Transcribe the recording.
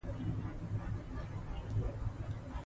خویندې یې په سترګو کې نیغې ورننوتلې.